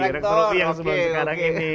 rektor ui yang sebelum sekarang ini